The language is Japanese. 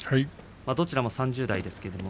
どちらも３０代です。